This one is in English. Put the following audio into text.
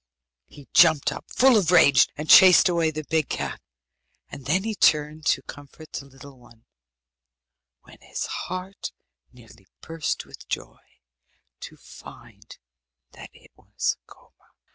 He jumped up, full of rage, and chased away the big cat, and then he turned to comfort the little one, when his heart nearly burst with joy to find that it was Koma.